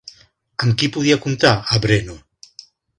Amb qui podia comptar a Brno?